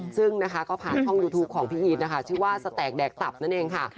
ซึ่งนะคะก็ผ่านช่องยูทูปของพี่อีทนะคะชื่อว่าสแตกแดกตับนั่นเองค่ะ